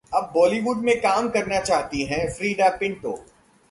अब बॉलीवुड में काम करना चाहती हैं फ्रीडा पिंटो